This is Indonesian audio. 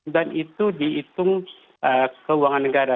dan itu dihitung keuangan negara